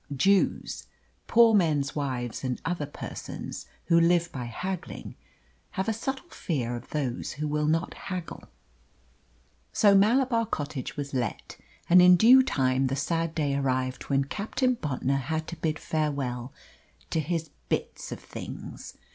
Jews, poor men's wives, and other persons who live by haggling, have a subtle fear of those who will not haggle. So Malabar Cottage was let; and in due time the sad day arrived when Captain Bontnor had to bid farewell to his "bits of things."